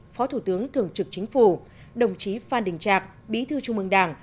phó thủ tướng thường trực chính phủ đồng chí phan đình trạc bí thư trung mương đảng